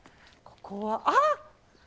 ここはあ！